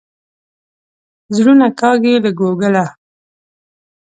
زړونه کاږي له کوګله.